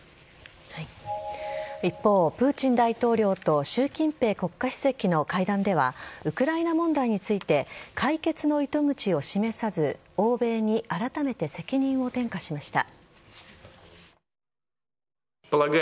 一方、プーチン大統領と習近平国家主席の会談ではウクライナ問題について解決の糸口を示さず欧米にあらためて責任を転嫁しました。